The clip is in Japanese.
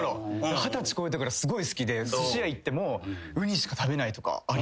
二十歳こえてからすごい好きですし屋行ってもウニしか食べないとかありますね。